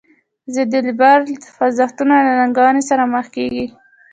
ضد لیبرال خوځښتونه له ننګونې سره مخ کیږي.